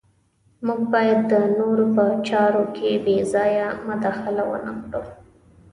موږ باید د نورو په چارو کې بې ځایه مداخله ونه کړو.